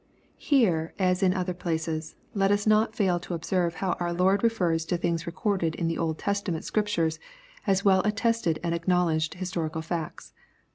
] Here, as in other places, let us not fail to observe how our Lord refers to things recorded in Old Testament Scriptures, as well attested and acknowledged historical facts.